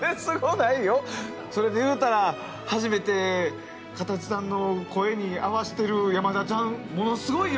それで言うたら初めてカタチさんの声に合わしてる山田ちゃんものすごいよ！